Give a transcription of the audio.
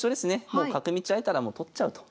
もう角道開いたらもう取っちゃうと。